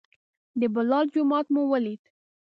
د بلال جومات مو ولید.